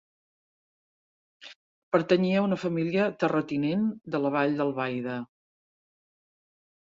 Pertanyia a una família terratinent de la Vall d'Albaida.